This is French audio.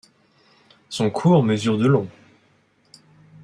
Son cours mesure de long.